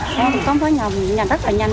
có một phái nhầm rất là nhanh